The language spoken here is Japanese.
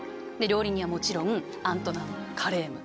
料理人はもちろんアントナン・カレーム。